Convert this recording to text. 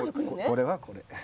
これはこれ。